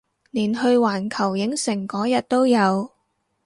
連去環球影城嗰日都有